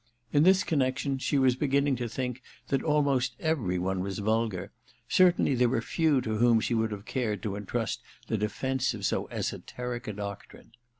In this connection, she was beginning to think that almost every one was vulgar ; certainly there were few to whom she would have cared to intrust the defence of so esoteric a doctrine.